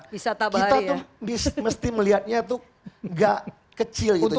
kita tuh mesti melihatnya tuh gak kecil itu